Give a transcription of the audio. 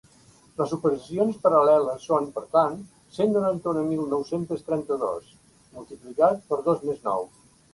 Les operacions paral·leles són, per tant, cent noranta-un mil nou-cents trenta-dos multiplicat per dos més nou.